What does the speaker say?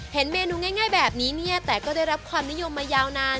เห็นเมนูง่ายแบบนี้เนี่ยแต่ก็ได้รับความนิยมมายาวนาน